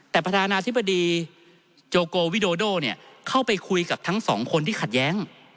แต่ประธานาธิบดีโจโกวิโดโดเข้าไปคุยกับทั้งสองคนที่ขัดแย้ง